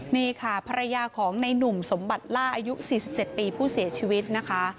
นี่ค่ะภรรยาของในหนุ่มสมบัติล่าอายุ๔๗ปีผู้เสียชีวิตนะคะ